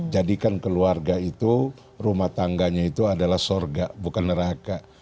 jadikan keluarga itu rumah tangganya itu adalah sorga bukan neraka